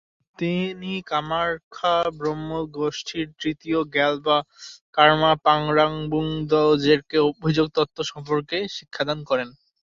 তিনি কার্মা-ব্কা'-ব্র্গ্যুদ ধর্মীয় গোষ্ঠীর তৃতীয় র্গ্যাল-বা-কার্মা-পা রাং-'ব্যুং-র্দো-র্জেকে অতিযোগ তত্ত্ব সম্বন্ধে শিক্ষাদান করেন।